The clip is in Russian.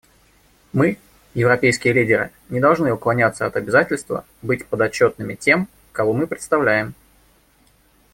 Мы, европейские лидеры, не должны уклоняться от обязательства быть подотчетными тем, кого мы представляем.